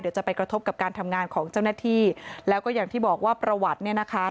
เดี๋ยวจะไปกระทบกับการทำงานของเจ้าหน้าที่แล้วก็อย่างที่บอกว่าประวัติเนี่ยนะคะ